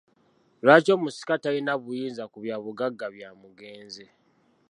Lwaki omusika talina buyinza ku byabugagga bya mugenzi?